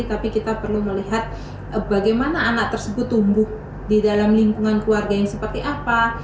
tapi kita perlu melihat bagaimana anak tersebut tumbuh di dalam lingkungan keluarga yang seperti apa